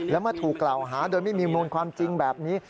และเมื่อถูกกล่าวหาโดยไม่มีมูลความจริงแบบนี้